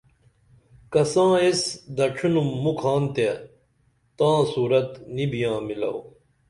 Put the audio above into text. کساں ایس دڇھینُم مُکھان تے تاں صورت نی بیاں مِلو